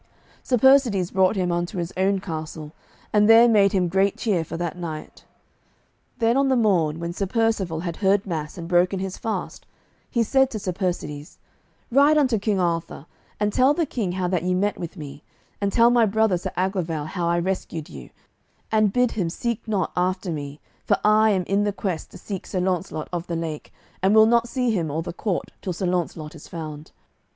Sir Persides brought him unto his own castle, and there made him great cheer for that night. Then on the morn, when Sir Percivale had heard mass and broken his fast, he said to Sir Persides: "Ride unto King Arthur, and tell the King how that ye met with me, and tell my brother Sir Aglovale how I rescued you, and bid him seek not after me, for I am in the quest to seek Sir Launcelot of the Lake, and will not see him or the court till Sir Launcelot is found.